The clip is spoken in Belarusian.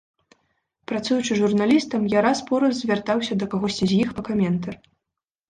Працуючы журналістам, я раз-пораз звяртаўся да кагосьці з іх па каментар.